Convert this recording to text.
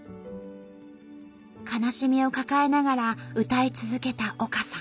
悲しみを抱えながら歌い続けた丘さん。